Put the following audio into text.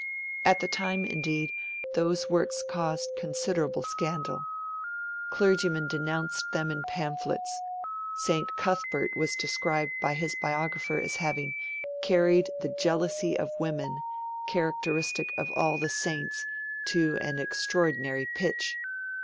At the time, indeed, those works caused considerable scandal. Clergymen denounced them in pamphlets. St. Cuthbert was described by his biographer as having 'carried the jealousy of women, characteristic of all the saints, to an extraordinary pitch'.